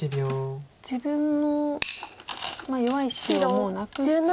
自分の弱い石をもうなくして。